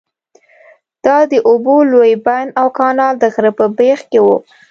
دا د اوبو لوی بند او کانال د غره په بیخ کې وو.